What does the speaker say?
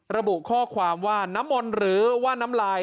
ระบุข้อความว่าน้ำมนต์หรือว่าน้ำลาย